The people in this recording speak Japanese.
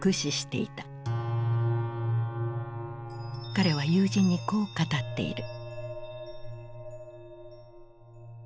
彼は友人にこう語っている。